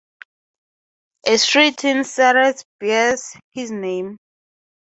A street in Serres bears his name.